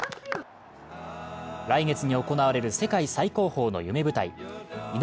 来月に行われる世界最高峰の夢舞台。